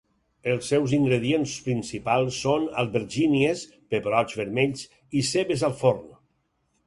Els seus ingredients principals són albergínies, pebrots vermells i cebes al forn.